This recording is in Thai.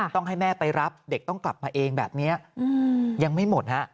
ต้องให้แม่ไปรับเด็กต้องกลับมาเองแบบนี้ยังไม่หมดฮะ